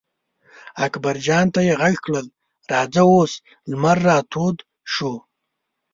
اکبر جان ته یې غږ کړل: راځه اوس لمر را تود شو.